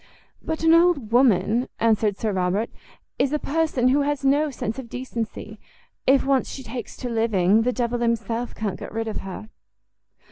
"But an old woman," answered Sir Robert, "is a person who has no sense of decency; if once she takes to living, the devil himself can't get rid of her."